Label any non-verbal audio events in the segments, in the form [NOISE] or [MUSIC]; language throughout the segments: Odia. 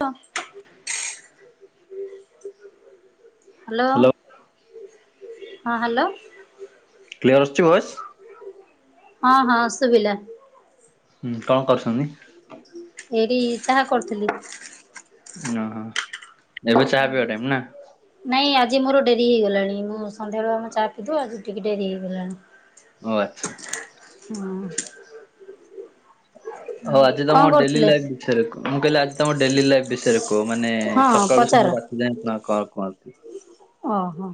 ଟ ହାଲୋ, ହ୍ୟାଲୋ ହଁ ହାଲୋ। କ୍ଲିୟର ଆସୁଛି ଭଏସ୍? ହଁ ହଁ ଶୁବିଲା। ହୁଁ, କଣ କରୁଛନ୍ତି? ଏଇଟି ଚାହା କରୁଥିଲି। ଓହୋ, ଏବେ ଚାହା ପିିଇବା ଟାଇମ୍ ନା? ନାଇଁ ଆଜି ମୋର ଡେରି ହେଇଗଲାଣି। ମୁଁ ସନ୍ଧ୍ୟାବେଳୁ ଆମେ ଚା ପିଇଦଉ ଆଜି ଟିକେ ଡେରି ହେଇଗଲାଣି। ଓ ଆଚ୍ଛା। ହଁ। [INAUDIBLE] ହୋ ଆଜି କଣ ତୋମ ଡେଲି କରୁଥିଲେ ଲାଇଫ ବିଷୟରେ କୁହ। ମୁଁ କହିଲି ଆଜି ତୋମ ଡେଲି ଲାଇଫ ବିଷୟରେ କୁହ ମାନେ ହଁ ସକାଳୁୁ ପଚାର ସହ ରା [UNINTELLIGIBLE] କଣ କରନ୍ତି? ଓ ହଁ,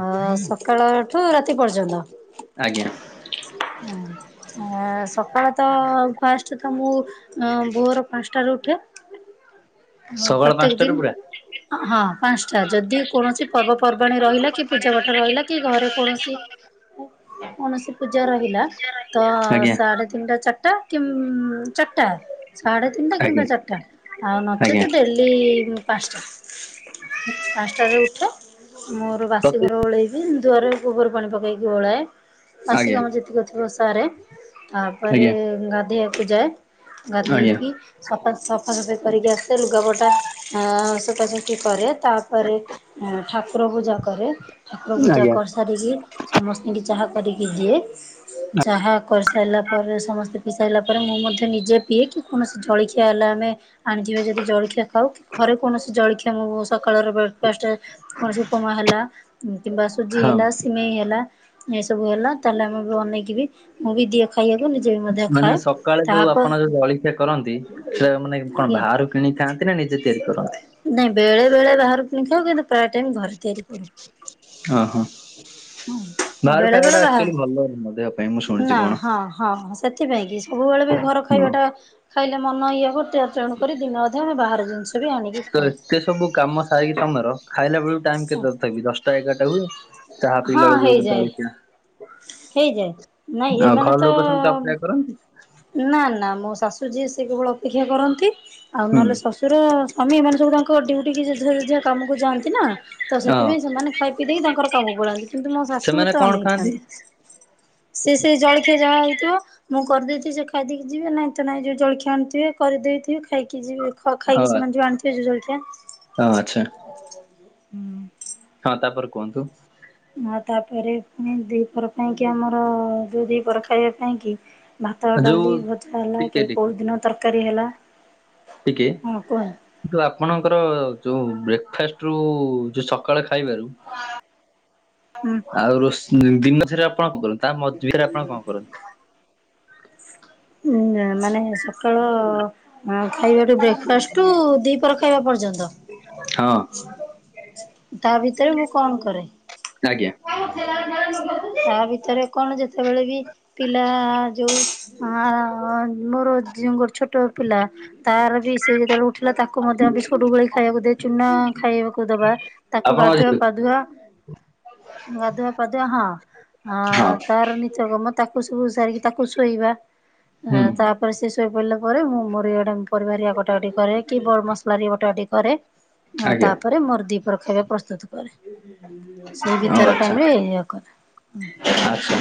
ଓ ସକାଳ ଠୁ ରାତି ପର୍ଯ୍ୟନ୍ତ। ଆଜ୍ଞା। ହଁ। ଅ, ସକାଳ ତ ଫାଷ୍ଟ ତ ମୁଁ ଅଁ, ଭୋର ପାନ୍ସଟାରୁ ଉଠେ। ହୋ ସକାଳ ପ୍ରତ୍ୟେକ ପାଞ୍ଚଟାରୁ ଦିନ୍। ପୁରା ହଁ ପାନ୍ସଟା ଯଦି କୌଣସି ପର୍ବପର୍ବାଣୀ ରହିଲା କି ପୂଜା ପାଠ ରହିଲା କି ଘରେ କୌଣସି କୌଣସି ପୂଜା ରହିଲା, ତ ଆଜ୍ଞା ସାଡେ ତିନିଟା ଚାଟା କି ଉଁ, ଚାଟା ସାଢେ ତିନିଟା ଆଜ୍ଞା କିମ୍ବା ଚାଟା ଆଉ ନ ସିଏ ତ ଆଜ୍ଞା ଡେଲି ଉଁ, ପାନ୍ସଟା। ପାନ୍ସଟାରେ ଉଠ ମୋର ବାସି ପ୍ରତି ଘର ଓଳେଇ କି ଦୁଆରେ ଗୋବର ପାଣି ପକେଇକି ଓଳାଏ। ବାସି ଆଜ୍ଞା କାମ ଯେତିକି ଥିବ ସାରେ। ତାପରେ ଆଜ୍ଞା ଗାଧେଇବାକୁ ଯାଏ। ଆଜ୍ଞା ଗାଧେଇକି ସଫା ସଫାସଫି କରିକି ଆସେ ଲୁଗାପଟା ଅ, ଶୁକାଶୁକି କରେ। ତାପରେ ଏଁ, ଠାକୁର ପୂଜା କରେ। ଠାକୁର ପୂଜା ଆଜ୍ଞା କରି ସା ସାରିକି ସମସ୍ତିଙ୍କି ଚାହା କରିକି ଦିଏ। ଚାହା କରିସାଇଲା ପରେ ସମସ୍ତେ ପି ସାଇଲା ପରେ, ମୁଁ ମଧ୍ୟ ନିଜେ ପିଏ। କି କୌଣସି ଜଳଖିଆ ହେଲା ଆମେ ଆଣିଥିବେ ଯଦି ଜଳଖିଆ ଖାଉ। ଘରେ କୌଣସି ଜଳଖିଆ ମୁ-ମୁ ସକାଳର ବ୍ରେକଫାଷ୍ଟେ କୌଣସି ଉପମା ହେଲା କିମ୍ବା ସୁଜି ହଁ ହେଲା ସିମେଇ ହେଲା ଏ ସବୁ ହେଲା ତାହେଲେ ଆମେ ବି ଅନେଇକି ବି ମୁଁ ବି ଦିଏ ଖାଇବାକୁ ନିଜେ ବି ମଧ୍ୟ ମାନେ ଖାଏ ସକାଳେ ଯୋଉ ତାହାପ ଆପଣ ଯୋଉ ଜଳଖିଆ କରନ୍ତି ସେ ମାନେ କଣ ଆଜ୍ଞା ବାହାରୁ କିଣି ଖାଆନ୍ତି ନା ନିଜେ ତିଆରି କରନ୍ତି? ନାଇଁ ବେଳେ ବେଳେ ବାହାରକୁ କିଣିଖାଉ କିନ୍ତୁ ପ୍ରାୟ ଟାଇମ ଘରେ ତିଆରି କରୁ। ଓହୋ ହଁ ବାହାରୁ ବେଳେ ଖାଇବା ବେଳେ ଟା ବାହା ଆକ୍ଚୁଆଲି ଭଲ ନୁହଁ ଦେହ ପାଇଁ ମୁଁ ନା ଶୁଣିଛି କଣ। ହଁ ହଁ ସେଇଥିପାଇଁ କି ସବୁବେଳେ ବି ଘର ହଁ। ଖାଇବାଟା ଖାଇଲେ ମନ ଇଏ ହବ ତେ ତେଣୁ କରି ତଥାପି ବାହାର ଜିନିଷ ତ ଏତେ ସବୁ କାମ ସାରିକି ତମର ଖାଇଲା ବେଳକୁ ଟାଇମ କେତେ ତଥାପି ଦଶଟା ଏଗାରଟା ହୁଏ? ଚାହା ହଁ ପିଇଲା ବେଳୁ ଯୋଉ ହେଇଯାଏ ଜଳିଖିଆ। ହେଇଯାଏ ନାଇଁ ଏମାନେ ଘର ଲୋକ ସେମିତି ଅପେକ୍ଷା କରନ୍ତି ତ-ଅ-ଅ-ଅ ନା ନା ମୋ ଶାଶୁ ଯିଏ ସେ କେବଳ ଅପେକ୍ଷା କରନ୍ତି। ଆଉ ହୁଁ ନହେଲେ ଶ୍ୱଶୁର ଆମେ ଏମାନେ ସବୁ ତାଙ୍କ ଡ୍ୟୁଟି କି ଯେଝା ଯେଝା କାମକୁ ଯାଆନ୍ତି ନା। ତ ହଁ। ସେଥିପାଇଁ ସେମାନେ ଖାଇ ପିଇ ଦେଇ ତାଙ୍କର କାମକୁ ପଳାନ୍ତି। କିନ୍ତୁ ମୋ ଶାଶୁ ସେମାନେ ମତେ କଣ ଖାଆନ୍ତି ଅନେଇଥାନ୍ତି। ସେ ସେଇ ଜଳଖିଆ ଯାହା ହେଇଥିବ। ମୁଁ କରିଦେଇଥିବି ସେ ଖାଇଦେଇକି ଯିବେ ନାଇଁ ତ ନାଇଁ ଯୋଉ ଜଳଖିଆ ଆଣିଥିବେ କରିଦେଇଥିବେ ଖାଇକି ଯିବେ ଖ ହଁ ଖାଇକି ସେମାନେ ଯୋ ଆଣିଥିବେ ଯୋଉ ଜଳିଖିଆ ହଁ ଆଛା। ହୁଁ, ହଁ ତାପରେ କୁହନ୍ତୁ। ଆଉ ତାପରେ ପୁଣି ଦି ପର ପାଇଁକି ଆମର-ଅ-ଅ-ଅ ଯୋଉ ଦି ପର ଖାଇବା ପାଇଁକି ଭାତ, ଯୋଉ ଡାଲି, ଭଜା ହେଲା ଟିକେ କି ଟିକେ କେଉଁ ଦିନ ତରକାରୀ ହେଲା। ଟିକେ ହଁ କୁହନ୍ତୁ କିନ୍ତୁ ଆପଣଙ୍କର ଯୋଉ ବ୍ରେକ୍ଫାଷ୍ଟ୍ ରୁ-ଉ-ଉ ଯୋଉ ସକାଳ ଖାଇବାରୁ ଆଉ ରୋଷେ ଦିନ ସାରା ଆପଣ କଣ କରନ୍ତି ତା ମଝିରେ ଆପଣ କଣ କରନ୍ତି? ଉଁ ମାନେ ସକାଳ-ଅ-ଅ-ଅ ହଁ ଖାଇବାଠୁ ବ୍ରେକ୍ ଫାଷ୍ଟୁ ଦିପର ଖାଇବା ପର୍ଯ୍ୟନ୍ତ। ହଁ, ତା ଭିତରେ ମୁଁ କଣ କରେ? ଆଜ୍ଞା, ତା ଭିତରେ କଣ ଯେତେବେଳେ ବି ପିଲା-ଆ-ଆ ଯୋଉ ଆ-ଆ-ଆ-ଆ ମୋର ଜିଉ ଗୋଟେ ଛୋଟ ପିଲା ତାର ବି ସେ ଯେତେବେଳେ ଉ ଉଠିଲା ତାକୁ ମଧ୍ୟ ବିସ୍କୁଟ ଗୋଳେଇ ଖାଇବାକୁ ଦିଏ, ଚୁନା ଖାଇବାକୁ ଦବା ତାକୁ ଗାଧୁଆ ଆପଣଙ୍କ ପାଧୁଆ ଗାଧୁଆ ପାଧୁଆ ହଁ ହଁ ଅ-ଅ-ଅ-ଅ ତାର ନି ତ୍ୟକର୍ମ ତାକୁ ସବୁ ସାରିକି ତାକୁ ଶୋଇବା ଅ ହୁଁ ତା ପରେ ସେ ଶୋଇ ପଡିଲା ପରେ ମୁଁ ମୋର ଇଆଡେ ପରିବା ହେରିକା କ ଟା କଟି କରେ କି ବ ମସଲା ହେରିକା ବଟା ବଟି କରେ ଅ ଆଜ୍ଞା। ତାପରେ ମୋର ଦିପର ଖାଇବା ପ ସ୍ତୁତ କରେ ସେଇ ଓ ଭିତର ଆଚ୍ଛା। ଟାଇମରେ ଏଇଆ କରେ। ଆଚ୍ଛା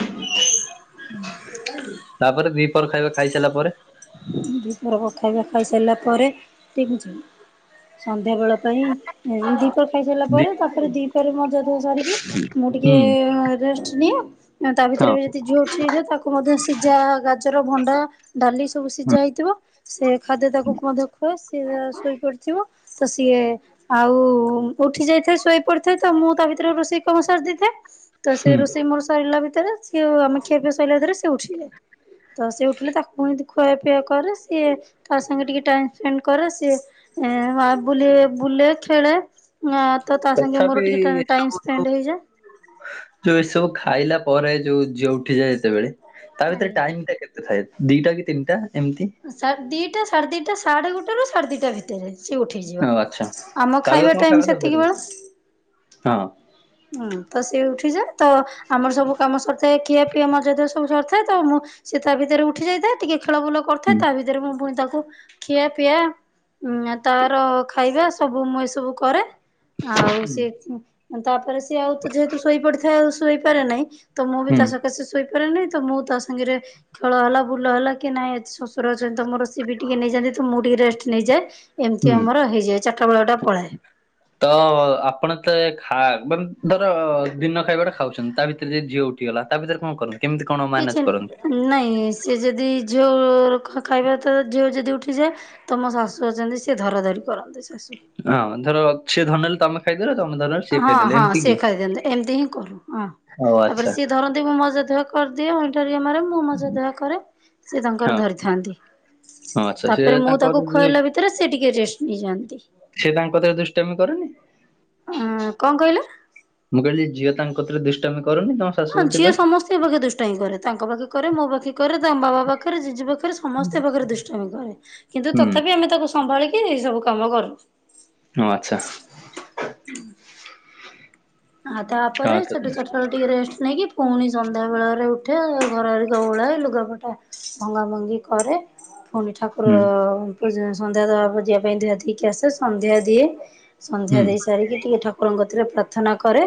ତାପରେ ଦିପହର ଖାଇବା ଖାଇସାରିଲା ପରେ? ଦିପହର କ ଖାଇବା ଖାଇ ସାରିଲା ପରେ, ଠିକ୍ ଅଛି। ସନ୍ଧ୍ୟା ବେଳ ପାଇଁ ଏ ଦିପହର ଖାଇ ସାରିଲା ଦି ପରେ ତାପରେ ଦିପହରେ ମଜା ଧୁଆ ସାରିକି ମୁଁ ହୁଁ ଟିକେ-ଏ-ଏ-ଏ ରେଷ୍ଟ ନିଏ। ତା ଭିତରେ ବି ହଁ। ଯଦି ଝିଅ ଉଠି ଯାଇଥିବ ତାକୁ ମଧ୍ୟ ସିଝା, ଗାଜର, ଭଣ୍ଡା, ଡାଲି ସବୁ ସିଝା ହେଇଥିବ ସେ ଖାଦ୍ୟ ତାକୁ କୁ ମଧ୍ୟ ଖୁଆଏ ସିଏ ଶୋଇପଡିଥିବ ତ ସିଏ ଆ-ଉ-ଉ-ଉ ଉଠି ଯାଇଥାଏ ଶୋଇ ପଡିଥାଏ ତ ମୁଁ ତା ଭିତରେ ରୋଷେଇ କାମ ସାରି ଦେଇଥାଏ। ତ ସେ ହୁଁ। ରୋଷେଇ ମୋର ସରିଲା ଭିତରେ ସେ ଆମେ ଖିଆ ପିଆ ସରିଲା ଭିତରେ ସେ ଉଠିଯାଏ। ତ ସେ ଉଠିଲେ ତାକୁ ପୁଣି ଖୁଆପିଆ କରେ ସିଏ ତା ସାଙ୍ଗେ ଟିକେ ଟାଇମ ସ୍ପେଣ୍ଡ କରେ ସିଏ। ଏ ମା ବୁଲି ବୁଲେ ଖେଳେ। ହଁ ତ ତା ସାଙ୍ଗେ ତଥାପି ମୋର ଟିକେ ଟା-ଟାଇମ୍ ଏସବୁ ଯୋଉ ସ୍ପେଣ୍ଡ ହେଇଯାଏ। ଯୋଉ ଏସବୁ ଖାଇଲା ପରେ ଯୋଉ ଝିଅ ଉଠିଯାଏ ଯେତେବେଳେ ତା ଭିତରେ ଟାଇମ ଟା କେ ତେ ଥାଏ ଦିଟା କି ତିନିଟା ଏମିତି। ସାର ଦିଟା ସାଢେ ଦିଟା ସାଢ଼େ ଗୋଟେରୁ ସାଢ଼େ ଦିଟା ଭିତରେ। ସିଏ ଉଠିଯିବ ଓ ଆଚ୍ଛା। ଆମ ତାପରେ ଖାଇବା ତମ ଟାଇମ ସରିଯାଇଥିବ ସେତିକିବେଳ। ହଁ। ହୁଁ ତ ସିଏ ଉଠିଯାଏ ତ ଆମର ସବୁ କାମ ସରିଥାଏ ଖିଆ ପିଆ ମଜା ଧୁଆ ସବୁ ସରିଥାଏ ତ ମୁଁ। ସେ ତା ଭିତରେ ଉଠି ଯାଇଥାଏ ଟିକେ ଖେଳ ବୁଲ ହୁଁ କରୁଥାଏ ତା ଭିତରେ ମୁଁ ପୁଣି ତାକୁ। ଖିଆ ପିଆ ଉଁ ଆ ତାର ଖାଇବା ସବୁ ମୁଁ ଏସବୁ କରେ। ଆଉ ସିଏ ଉଁ। ତାପରେ ସିଏ ଆଉ ତ ଯେହେତୁ ଶୋଇ ପଡିଥାଏ ଆଉ ଶୋଇପାରେ ନାହିଁ ତ ମୁଁ ବି ହୁଁ ତା ସ ତ ସେ ଶୋଇପାରେ ନାହିଁ ତ ମୁଁ ତା ସାଙ୍ଗେରେ ରେ ଖେଳ ହେଲା ବୁଲ ହେଲା କି ନାଇଁ ଶଶୁର ଅଛନ୍ତି ତ ମୋର ସେ ବି ଟିକେ ନେଇଯାନ୍ତି ତ ମୁଁ ଟିକେ ରେଷ୍ଟ ନେଇଯାଏ ଏମିତି ହୁଁ। ଆମର ହେଇଯାଏ। ଚାରଟା ବେଳ ଟା ପଳାଏ। ତ ଆପଣ [UNINTELLIGIBLE] ଖା ବ ଧର ଦିନ ଖାଇବାଟା ଖାଉଛନ୍ତି ତା ଭିତରେ ଯଦି ଝିଅ ଉ ଠି ଗଲା ତା ଭିତରେ କଣ କରନ୍ତି? କେମିତି କଣ ମ୍ୟାନେଜ କିଛି କରନ୍ତି ନାଇଁ ସେ ଯଦି ଝିଅ ଖ-ଖାଇବା ତ ଝିଅ ଯଦି ଉଠିଯାଏ ତ ମୋ ଶାଶୁ ଅଛନ୍ତି ସିଏ ଧରା ଧରି କରନ୍ତି ଶାଶୁ। ହଁ ଧର ସେ ଧରିନେଲେ ତମେ ଖାଇଦେଲ ତମେ ଧରିଲାବେ ହଁ ହଁ ସିଏ ଖାଇଦିଅନ୍ତି ଏମିତି ହିଁ କରୁ ହଁ ଓ ତାପରେ ଆଚ୍ଛା ସିଏ ଧର ମୁଁ ମଜା ଧୁଆ କରିଦିଏ ଅଇଁଠା ଟିକେ ମାରେ ମୁଁ ମଜା ଧୁଆ କରେ ସେ ହଁ ତାଙ୍କର ଧରିଥାନ୍ତି। ହଁ ଆଚ୍ଛା ସେ ତାପରେ ମୁଁ ତାଙ୍କ ତାକୁ କତିରେ ଦୁ- ଖୁଆଇଲା ଭିତରେ ସେ ଟିକେ ରେଷ୍ଟ ନେଇଯାଆନ୍ତି। ସେ ତାଙ୍କ କତିରେ ଦୁଷ୍ଟାମି କରେନି? ଅଁ କଣ କହିଲ? ମୁଁ କହିଲି ଝିଅ ତାଙ୍କ କତିରେ ଦୁଷ୍ଟାମି କରୁନି ତମ ହଁ ଶାଶୁ ଝିଅ କତିରେ ସମସ୍ତିଙ୍କ ପାଖେ ଦୁଷ୍ଟାମି କରେ ତାଙ୍କ ପାଖେ କରେ ମୋ ପାଖେ କରେ ତାଙ୍କ ବାବା ପାଖରେ ଜେଜେ ପାଖରେ ସମସ୍ତେ ପାଖରେ ଦୁଷ୍ଟାମି କରେ କିନ୍ତୁ ହୁଁ ତଥାପି ଆମେ ତାକୁ ସମ୍ଭାଳିକି ଏଇ ସବୁ କାମ କରୁଚୁ। ହଁ ଆଚ୍ଛା। ଉଁ ଆଉ ତାପରେ ହଁ ତ- ସେଠୁ ଚାର ଟା ବେଳେ ଟିକେ ରେଷ୍ଟ ନେଇକି। ପୁଣି ସନ୍ଧ୍ୟାବେଳରେ ଉଠେ ଘର ହେରିକା ଓଳାଏ ଲୁଗାପଟା ଭଙ୍ଗା ଭଙ୍ଗି କରେ। ଫୁଣି ଠାକୁର। ହୁଁ [UNINTELLIGIBLE] ସନ୍ଧ୍ୟା ଦବାକୁ ଯିବା ପାଇଁ ଧୁଆ ଧୁଇ କି ଆସେ ସନ୍ଧ୍ୟା ଦିଏ ସନ୍ଧ୍ୟା ହୁଁ ଦେଇ ସାରିକି ଟିକେ ଠ ଠାକୁରଙ୍କ କତିରେ ପ୍ରାର୍ଥନା କରେ।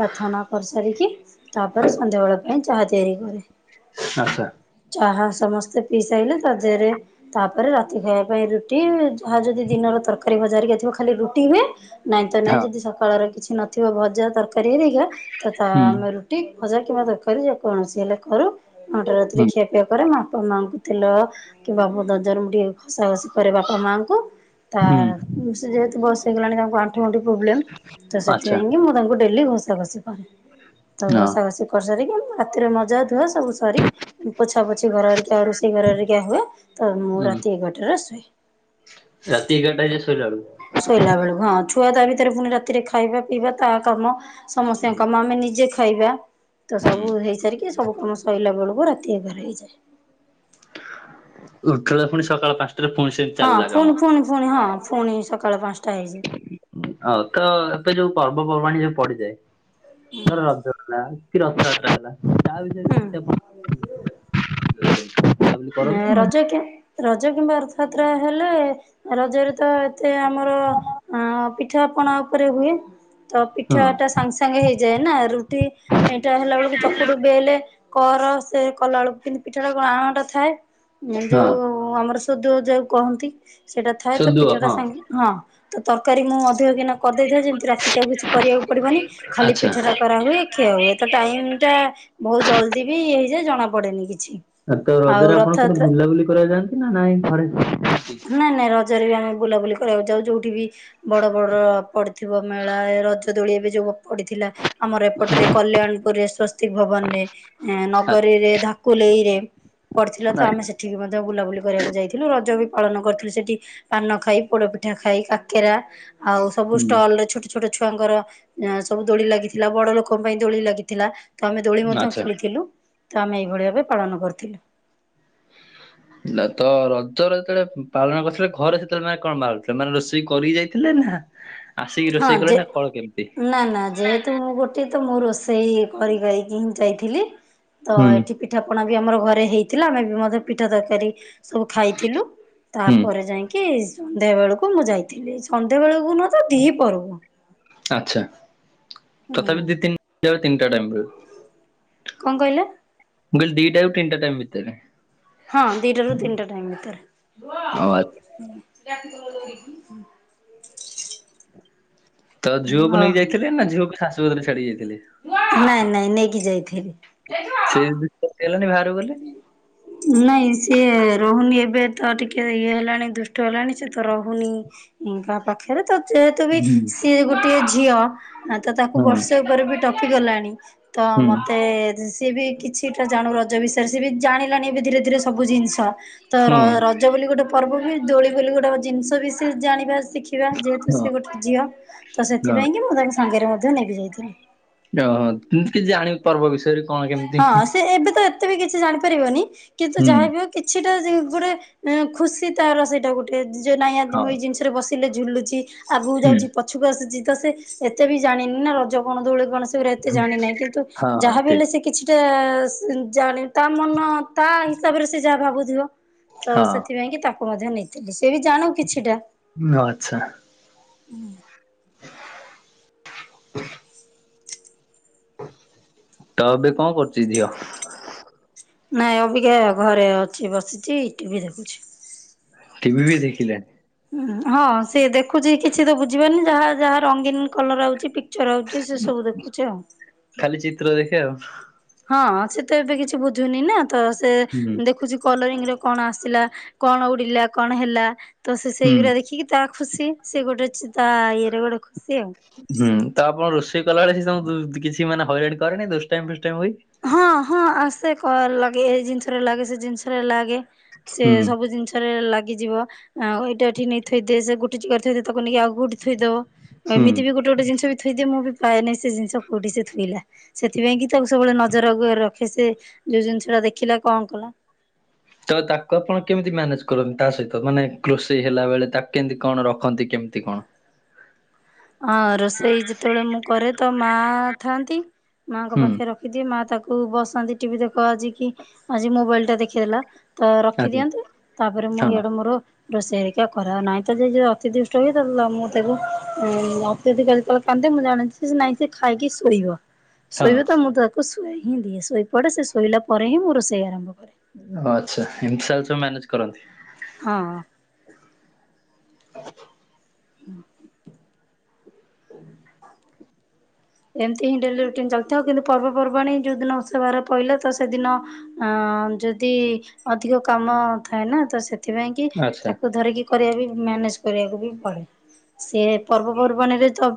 ପ୍ରାର୍ଥନା କରିସାରିକି ତାପରେ ସନ୍ଧ୍ୟାବେଳ ପାଇଁ ଚାହା ତିଆରି କରେ। ଆଚ୍ଛା ଚାହା ସମସ୍ତେ ପି ସାଇଲେ ତା ଦେହରେ। ତାପରେ ରାତି ଖାଇବା ପାଇଁ ରୁଟି ଯାହା ଯଦି ଦିନର ତରକାରୀ, ଭଜା ହେରିକା ଥିବ ଖାଲି ରୁଟି ହୁଏ। ନାଇଁ ତ ନାଇଁ ହଁ ଯଦି ସକାଳର କିଛି ନଥିବ ଭଜା ତରକାରୀ ହେରିକା ତ ତା ହୁଁ ଆମେ ରୁ ଟି ଭଜା କିମ୍ବା ତରକାରୀ ଯେକୌଣସି ହେଲେ କରୁ ନଅ ଟା ରାତିରେ ହୁଁ ଖିଆପିଆ କରେ ମ ବାପା ମାଆଙ୍କୁ। ତେଲ କିମ୍ୱା ବ ଦଜରମ ଟିକେ ଘଷା ଘଷି କରେ ବାପା ମାଙ୍କୁ ତାର ହୁଁ ଉଁ ସେ ଯେହେତୁ ବସୟ ହେଇଗଲାଣି ତାଙ୍କୁ ଆଠୁ ଗଣ୍ଠି ପ୍ରୋବ୍ଲେମ ତ ଆଚ୍ଛା ସେଥିପାଇଁ କି ମୁଁ ତାଙ୍କୁ ଡେଲି ଘଷା ଘଷି କରେ ତ ହଁ ଘଷା ଘଷି କରିସାରିକି ମୁଁ ରାତିରେ ମଜା ଧୁଆ ସବୁ ସାରି ଉଁ ପୋଛା ପୋଛି ଘର ହରିକା ରୋଷେଇ ଘର ହରୀକା ହୁଏ ତ ମୁଁ ହୁଁ ରାତି ଏଗାରଟାରେ ଶୁଏ। ରାତି ଏଗାରଟା ହେଇଯାଏ ସୋଇଲା ବେଳୁ କୁ। ଶୋଇଲା ବେଳକୁ ହଁ ଛୁଆ ତା ଭିତରେ ପୁଣି ରାତିରେ ଖାଇବା ପିଇବା ତା କାମ। ସମସ୍ତିଙ୍କ ହୁଁ, କାମ ଆମେ ନିଜେ ଖାଇବା ତ ହୁଁ। ସବୁ ହେଇସାରିକି ସବୁ କାମ ସଇଲା ବେଳକୁ ରାତି ଏଗାର ହେଇଯାଏ। ଉଠିଲା ପୁଣି ସକାଳ ପାଞ୍ଚଟାରେ ପୁଣି ସେମିତି ହଁ ଚାଲିଲା କାମ ଫୁଣି ଫୁଣି ଫୁଣି ହଁ ଫୁଣି ସକାଳ ପାଞ୍ଚଟା ହେଇଯାଏ ହ ତ ଏବେ ଯୋଉ ପର୍ବପର୍ବାଣି ଯୋଉ ପଡିଯାଏ ତର ରଜଗଲା। ହୁଁ। [UNINTELLIGIBLE] ରଜ କି ରଜ କିମ୍ବା ରଥଯାତ୍ରା ହେଲେ ରଜରେ ତ ଏତେ ଆମର ଅ ପିଠା ପଣା ଉପରେ ହୁଏ ତ ହଁ ପିଠା ଟା ସାଙ୍ଗସାଙ୍ଗ ସାଙ୍ଗେ ହେଇଯାଏ ନା ରୁଟି ଏଇଟା ହେଲାବେଳକୁ ଚକୁଟୁ ବେଲେ କର ସେ କଲା ବଳକୁ କିନ୍ତୁ ପିଠାଟା କଣ ଆଣ ଟା ଥାଏ ହଁ ଯୋଉ ଉ ଆମର ସୋଦୁଅ ଯାହାକୁ କହନ୍ତି ସେଇଟା ଥାଏ ତ ସୋଦୁଅ ପିଠାଟା ହଁ। ସାଙ୍ଗ ହଁ। ତ ତରକାରୀ ମୁଁ ଅଧିକ କିନା କରିଦେଇଥାଏ ଯେମିତି ରାତିକି ଆଉ କିଛି କରିବାକୁ ପଡିବନି। ଖାଲି ଆଚ୍ଛା। ପିଠା ଟା କରା ହୁଏ ଖିଆ ହୁଏ। ତ ଟାଇମ ଟା ବହୁତ ଜଲ୍ଦି ବି ହେଇଯାଏ ଜଣା ପଡେନି କିଛି। ଆଉ ତ ରଜରେ ଆପଣ କୁଆଡେ ବୁଲାବୁଲି କରିଆକୁ ଯାଆନ୍ତି ନା ନାଇଁ ଘରେ। ଆଚ୍ଛା ନାଇଁ ନାଇଁ ରଜରେ ବି ଆମେ ବୁଲାବୁଲି କରିବାକୁ ଯାଉ ଯୋଉଠି ବି ବଡ ବଡ ପଡିଥିବ ମେଳା ରଜ ଦୋଳି ଏବେ ଯୋଉ ପଡିଥିଲା। ଆମର ଏପଟରେ କଲ୍ୟାଣପୁର ରେ ସ୍ଵସ୍ତି ଭବନ ରେ ନଗରୀ ରେ ଧାକୁଲେଇ ରେ ପଡିଥିଲା ତ ଆମେ ସେଠିକି ମଧ୍ୟ ବୁଲାବୁଲି କରିବାକୁ ଯାଇଥିଲୁ ରଜ ବି ପାଳନ କରିଥିଲୁ ସେଠି ପାନ ଖାଇ ପୋଡ ପିଠା ଖାଇ କାକେରା ଆଉ ସବୁ ଷ୍ଟଲ ରେ ଛଟ ଛୋଟ ଛୁଆଙ୍କର ସବୁ ଦୋଳି ଲାଗିଥିଲା ବଡ ଲୋକଙ୍କ ପାଇଁ ଦୋଳି ଲାଗିଥିଲା। ତ ଆମେ ଦୋଳି ମଧ୍ୟ ଖେଳିଥିଲୁ ତ ଆମେ ଏଇଭଳି ଭାବେ ପାଳନ କରିଥିଲୁ। ହେଲା ତ ରଜର ଯେତେବେଳେ ପାଳନ କରିଥିଲେ ଘରେ ସେତେବେଳେ ମାନେ କଣ ବାହାରୁଥିଲେ ମାନେ ରୋଷେଇ କରିକି ଯାଇଥିଲେ ନା ଆସିକି ହଁ ରୋଷେଇ କଲେ ନା ଯେ ଫଳ କେମିତି? ନା ନା ଯେହେତୁ ମୁଁ ଗୋଟେ ତ ମୁଁ ରୋଷେଇ କରି କରକି ହିଁ ଯାଇଥିଲି ତ ହୁଁ ଏଠି ପିଠା ପଣା ବି ଆମର ଘରେ ହେଇଥିଲା ଆମେ ବି ମଧ୍ୟ ପିଠା ତରକାରୀ ସବୁ ଖାଇଥିଲୁ ହୁଁ ତାପରେ ଯାଇଁ କି ସନ୍ଧ୍ୟା ବେଳକୁ ମୁଁ ଯାଇଥିଲି ସନ୍ଧ୍ୟା ବେଳକୁ ନହ ତ ଦି ପହର କୁ। ଆଛା ହୁଁ ତଥାପି ଦିନ୍ ଯ ତିନଟା ଟାଇମରେ। କଣ କହିଲା? ମୁଁ କହଲି ଦିଟା ଆଉ ତିନିଟା ଟାଇମ ଭିତରେ। ହଁ ଦିଟା ରୁ ତିନିଟା ଟାଇମ ଭିତରେ। [INAUDIBLE] ଓ ତ ଝିଓକୁ ନେଇ ଓ ଯାଇଥିଲେ ନା ଝିଅକୁ ଶାଶୁ ଭତରେ ଛାଡି ଯାଇଥିଲେ। ନାଇଁ ନାଇଁ ନେଇକି ଯାଇଥିଲି। ସେ ହେଲାନଣି ବାହାରୁ ଗଲେ। ନାଇଁ ସିଏ ରହୁନି ଏବେ ତ ଟିକେ ଇଏ ହେଲାଣି ଦୁଷ୍ଟ ହେଲାଣି ସେ ତ ରହୁନି କାହା ପାଖରେ ତ ଯେହେତୁ ବି ହୁଁ ସିଏ ଗୋଟେ ଝିଅ ତ ତାକୁ ହଁ ବର୍ଷେ ବି ଟପି ଗଲାଣି ତ ହୁଁ ମତେ ସିଏ ବି କିଛିଟା ଜାଣୁ ନ ରଜ ବିଷୟରେ ସେ ବି ଜାଣିଲାଣି ଏ ଧୀରେ ଧୀରେ ସବୁ ଜିନିଷ ତ ହୁଁ ର ଜ ବୋଲି ଗୋଟେ ପର୍ବ ହୁଏ ଦୋଳି ବୋଲି ଗୋଟେ ଜିନଷ ବି ସେ ଜାଣିବା ଶିଖି ଦେଖିବା ଯେହେତୁ ହଁ ସେ ଗୋଟେ ଝିଅ ତ ହଁ ସେଥିପାଇଁ କି ମୁଁ ତାଙ୍କୁ ସାଙ୍ଗରେ ମଧ୍ୟ ନେଇକି ଯାଇଥିଲି। ଓହୋ କିମତି ଜାଣିବ ପର୍ବ ବିଷୟରେ କଣ କେମିତି ହଁ ସେ ଏବେ ତ ଏତେ ବି କିଛି ଜାଣିପାରିବନି କିନ୍ତୁ ହୁଁ ଯାହାବି ହୋଉ କିଛିଟା ଯି ଗୋଟେ ଖୁସି ତାର ସେଇଟା ଗୋଟେ ଯୋଉ ନାଇଁ ଦ ହଁ ମୁଇ ଜି ପଛରେ ବସିଲେ ଝୁଲୁଛି ଆଗକୁ ହୁଁ ଯାଉଛି ପ ଛକୁ ଆସିଛି ତ ସେ ଏତେ ବି ଜାଣିନି ନା ରଜ କଣ ଦୋଳି କଣ ଏତେ ଜାଣି ନାହିଁ କିନ୍ତୁ ହଁ ହଁ ଯାହା ବିି ହେଲେ ସେ ଠିକ କିଛିଟା ଜାଣି ତା ମନ ତା ହିସାବରେ ସେ ଯାହା ଭାବୁଥିବ ତ ସେଥିପାଇଁ କି ତାକୁ ମଧ୍ୟ ନେଇଥିଲି ସେ ବି ଜାଣୁ କିଛିଟା। ଓ ଆଚ୍ଛା। ହୁଁ। [INAUDIBLE] ତ ଏବେ କଣ କରୁଛି ଝିଅ? ନାଇଁ ଅବିକା ଘରେ ଅଛି ବସିଛି ଟିଭି ଦେଖୁଛି। ଟିଭି ବି ଦେଖିଲେଣି ହଁ ସିଏ ଦେଖୁଛି କିଛି ତ ବୁଝିବନି ଯାହା ଯାହା ରଙ୍ଗୀନ କଲର ଆଉଛି ଚ ରଉଛି ସେ ସବୁ ଦେଖୁଛି ଆଉ ଖାଲି ଚିତ୍ର ଦେଖେ ଆଉ ହଁ ସେ ତ ଏବେ କିଛି ବୁଝୁନି ନା ତ ସେ ହୁଁ ଦେଖୁଛି କଲରିଂ ର କଣ ଆସିଲା କଣ ଉଡିଲା କଣ ହେଲା ତ ସେ ହୁଁ ସେଇଗୁଡା ଦେଖିକି ତା ଖୁସି ସେିଏ ଗୋଟେ ଅଛି ତା ଇଏରେ ଗୋଟେ ଖୁସି ଆଉ ହୁଁ ତ ଆପଣ ରୋଷେଇ କଲାବେଳେ ସେ କିଛି ମାନେ ହାଇଟ କରେନ ଦ ହଁ ହଁ ଆସେ ଲାଗେ ଏଇ ଜିନିଷରେ ଲାଗେ ସେ ଜିନିଷରେ ଲାଗେ ସେ ହୁଁ ସବୁ ଜିନିଷ ଗଛରେ ଲାଗିିବ ଏଇଟା ଏଠି ନେଇ ଥଇଦି ସେ ଗୋଟେ ଚିକରେ ଥଦ ତାକୁ ନେଇକି ଆଉ କେଉଠିଥଦବ ଆ ହୁଁ ଏମତି ବି ଗୋଟେ ଗୋଟେ ଜିଷ ବି ଥଦ ମୁଁ ବି ପାଏନହିଁ ସେ ଜିନିଷ କୋଉଠି ସେ ଥୋଇଲା ସେଥିପାଇଁ କି ତାକୁ ସବୁଳେ ଜରରେ ରଖେ ସେ ଯୋଉ ଜିନିଷ ଟା ଦେଖିଲା କଣ କଲା ତ ତାକୁ ଆପଣ କେମିତି ମ୍ୟାନେଜ କରନ୍ତି ତା ସହିତ ମାନେ ରୋଷେଇ ହେଲା ବେଳେ ତାକୁ କେମିତି କଣ ରଖନ୍ତି କେମିତି କଣ ହଁ ରୋଷେଇ ଯେତେବେଳେ ମୁଁ କରେ ତ ମା ଥାଆନ୍ତି ମାଙ୍କ ହୁଁ ପାଖରେ ରଖ ି ମା ତାକୁ ବସନ୍ତି ଟିଭି ଦେଖ ଆଜି କି ଆଜି ମୋବାଇଲ ଟା ଦେଖେଇଦେଲା ତ ଆଜ୍ଞା ରଖିଦିଅନ୍ତୁ ତାପରେ ମୁଁ ହଁ ଇଆଡେ ମୋର ରୋଷେଇରିକା କରା ନାହିଁ ତ ଯ ଯଦି ଅତିଦୁଷ୍ଟ ହୁଏ ତାଲେ ମୁଁ ତାକୁ ହୁଁ ରାତି ଯଦି କାଲି ତଳେ ପାନ୍ତେ ମୁଁ ଜାଣଛି ନାଇଁ ସେ ଖାଇକି ଶୋଇବା ହଁ ଶୋଇବ ତ ମୁଁ ତ ତୁ ଶୋଇଏ ହିଁ ଦିଏ ଶୋଇପଡ଼େ ସେ ଶୋଇଲା ପରେ ହିଁ ମୁଁ ରୋଷେଇ ଆରମ୍ଭ କରେ ଓ ଆଚ୍ଛା ଏମିତି ସ ସବୁ ମ୍ୟାନେଜ କରନ୍ତି ହଁ ହୁଁ ଏମିତି ହିଁଡେଲି ରୁଟିନ ଚାଲିଥାଉ କିନ୍ତ ପର୍ବପର୍ବାଣଣି ଯୋଉ ଦିନ ବ ପହିଲ ତ ସେଦିନ ଯଦି ଅଧିକ କାମ ଥାଏ ନା ତ ସେ ସେଥିପାଇଁ କି ଆଚ୍ଛା। ତାକୁ ଧରିକି କରିବା ବି ମ୍ୟାନେଜ କରିବାକୁ ବି ପଡେ ସେି ପର୍ବ ପର୍ବାଣୀରେ ତ